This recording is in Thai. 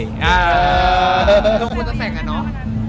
คงมองคุณจะแส่งกันหรอ